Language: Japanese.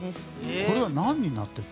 これは何になってるの？